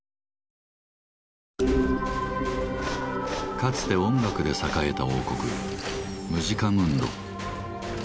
かつて音楽で栄えた王国「ムジカムンド」。